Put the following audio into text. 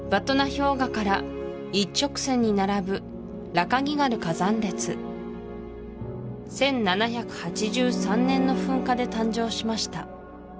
氷河から一直線に並ぶラカギガル火山列１７８３年の噴火で誕生しました